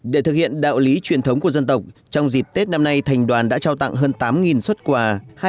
để thực hiện đạo lý truyền thống của dân tộc trong dịp tết năm nay thành đoàn đã trao tặng hơn tám xuất quà